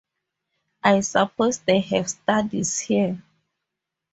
I suppose they have studies here.